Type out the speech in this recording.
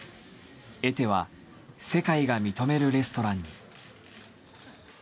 エテは世界が認めるレストランに。